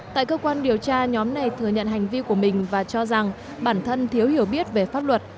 tại cơ quan điều tra nhóm này thừa nhận hành vi của mình và cho rằng bản thân thiếu hiểu biết về pháp luật